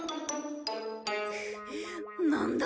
なんだ？